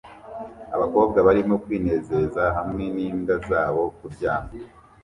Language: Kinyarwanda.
Abakobwa barimo kwinezeza hamwe n'imbwa zabo kuryama